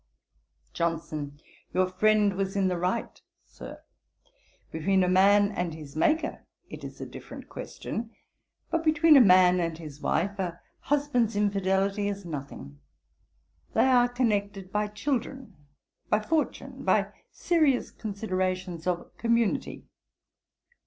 JOHNSON. 'Your friend was in the right, Sir. Between a man and his Maker it is a different question: but between a man and his wife, a husband's infidelity is nothing. They are connected by children, by fortune, by serious considerations of community.